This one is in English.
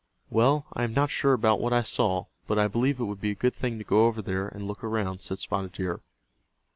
"Well, I am not sure about what I saw, but I believe it would be a good thing to go over there, and look around," said Spotted Deer.